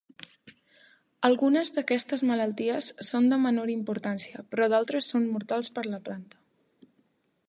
Algunes d'aquestes malalties són de menor importància però d'altres són mortals per la planta.